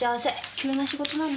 急な仕事なんだ。